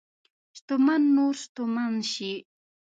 شتمن نور شتمن شي.